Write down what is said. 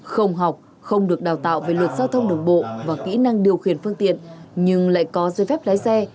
không học không được đào tạo về luật giao thông đường bộ và kỹ năng điều khiển phương tiện nhưng lại có giới phép lái xe